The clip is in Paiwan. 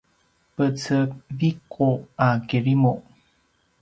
peceviqu a kirimu